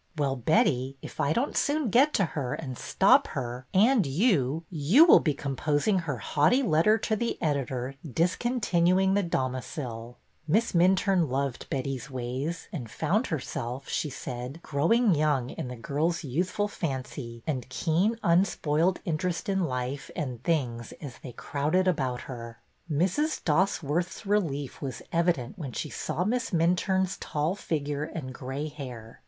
'^Well, Betty, if I don't soon get to her and stop her — and you — you will be composing her haughty letter to the editor discontinuing The Domiciled Miss Minturne loved Betty's ways and found herself, she said, growing young in the girl's youthful fancy and keen, unspoiled interest in life and things as they crowded about her. ^ Mrs. Dosworth's relief was evident when she saw Miss Minturne's tall figure and gray hair.